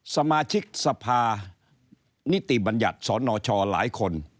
สมาชิกสภานิติบัญญัติสนชหลายคน